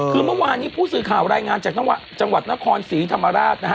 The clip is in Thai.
คือเมื่อวานนี้ผู้สื่อข่าวรายงานจากจังหวัดนครศรีธรรมราชนะฮะ